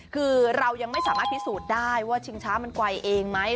คือเรายังไม่สามารถพิสูจน์ได้ว่าชิงช้ามันไกลเองไหม